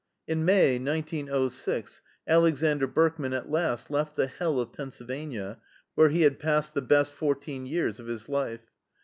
In May, 1906, Alexander Berkman at last left the hell of Pennsylvania, where he had passed the best fourteen years of his life.